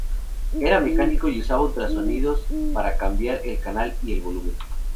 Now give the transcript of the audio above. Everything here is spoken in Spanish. Era mecánico y usaba ultrasonidos para cambiar el canal y el volumen.